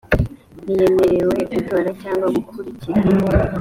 ntiyemerewe gutora cyangwa gukurikira